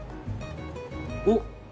おっ。